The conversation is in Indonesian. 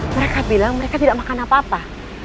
mereka bilang mereka tidak makan apa apa